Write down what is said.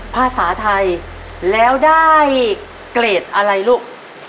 ภาษาไทยแล้วได้เกรดอะไรลูก